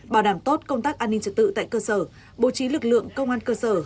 bảo đảm tốt công tác an ninh trật tự tại cơ sở bố trí lực lượng công an cơ sở